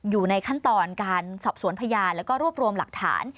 อยู่ในขั้นตอนการสอบสวนพยานแล้วก็รวบรวมหลักฐาน